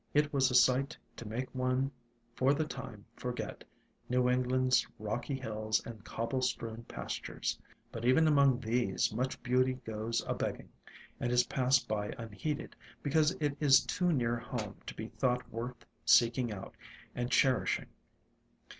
It was a sight to make one for the time forget New Eng land's rocky hills and cobble strewn pastures. But even among these much beauty goes a begging, and is passed by unheeded, because it is too near home to be thought worth seeking out and cherish ing.